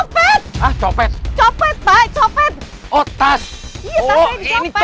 pintu film kebelakang ayo